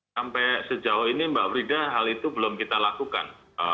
sampai sejauh ini mbak frida hal itu belum kita lakukan